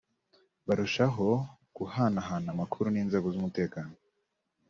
barushaho guhanahana amakuru n’inzego z’umutekano